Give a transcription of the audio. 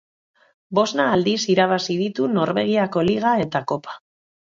Bosna aldiz irabazi ditu Norvegiako Liga eta Kopa.